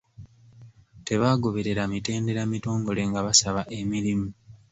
Tebaagoberera mitendera mitongole nga basaba emirimu.